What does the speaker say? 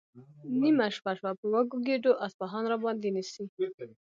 نیمه شپه شوه، په وږو ګېډو اصفهان راباندې نیسي؟